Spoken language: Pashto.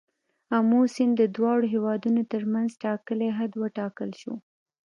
آمو سیند د دواړو هیوادونو تر منځ ټاکلی حد وټاکل شو.